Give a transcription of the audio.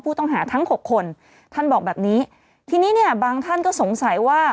ผู้ต้องหาทั้งหกคนท่านบอกแบบนี้ทีนี้เนี่ยบางท่านก็สงสัยว่า